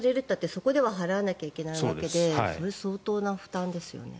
そこでは払わなきゃいけないわけでそれ、相当な負担ですよね。